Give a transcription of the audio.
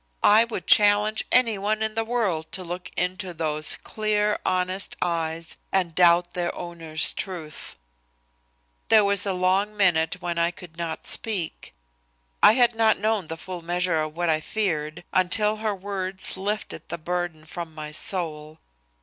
I would challenge anyone in the world to look into those clear, honest eyes and doubt their owner's truth. There was a long minute when I could not speak. I had not known the full measure of what I feared until her words lifted the burden from my soul.